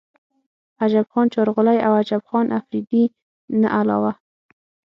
د عجب خان چارغولۍ او عجب خان افريدي نه علاوه